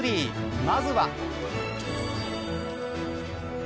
まずは。